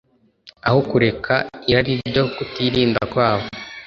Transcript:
aho kureka irari ryo kutirinda kwabo